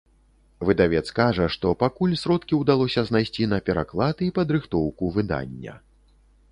Выдавец кажа, што пакуль сродкі ўдалося знайсці на пераклад і падрыхтоўку выдання.